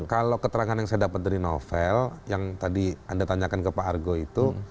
kalau keterangan yang saya dapat dari novel yang tadi anda tanyakan ke pak argo itu